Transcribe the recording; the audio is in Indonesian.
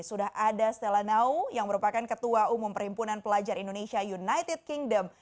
sudah ada stella nau yang merupakan ketua umum perhimpunan pelajar indonesia united kingdom